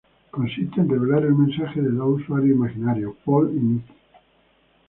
Consiste en revelar el mensaje de dos usuarios imaginarios Paul y Nick.